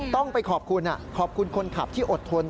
ต้องไปขอบคุณขอบคุณคนขับที่อดทน